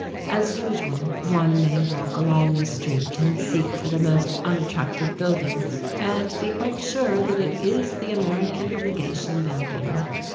As usual, one may walk along this street and seek for the most unattractive building and be quite sure that it is the American legation building.